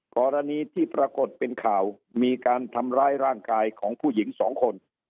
กรณีที่ปรากฏเป็นข่าวมีการทำร้ายร่างกายของผู้หญิงสองคน